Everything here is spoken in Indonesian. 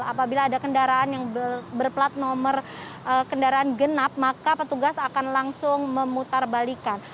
apabila ada kendaraan yang berplat nomor kendaraan genap maka petugas akan langsung memutar balikan